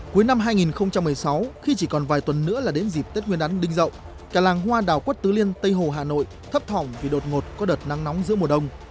cuối năm hai nghìn một mươi sáu khi chỉ còn vài tuần nữa là đến dịp tết nguyên đán đinh rậu cả làng hoa đào quất tứ liên tây hồ hà nội thấp thỏng vì đột ngột có đợt nắng nóng giữa mùa đông